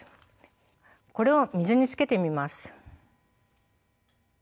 これを水につけてみます。